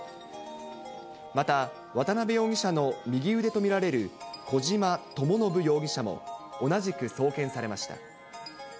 また渡辺容疑者の右腕と見られる、小島智信容疑者も、同じく送検されました。